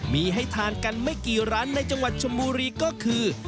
มีให้ทานกันไม่กี่ร้านในจังหวัดชมบุรีก็คือ